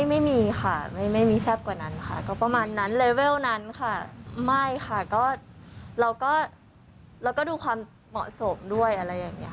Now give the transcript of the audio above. ไม่มีค่ะไม่มีแซ่บกว่านั้นค่ะก็ประมาณนั้นเลเวลนั้นค่ะไม่ค่ะก็เราก็ดูความเหมาะสมด้วยอะไรอย่างนี้ค่ะ